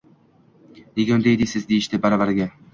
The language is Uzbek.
-Nega unday deysiz? – deyishdi baravariga.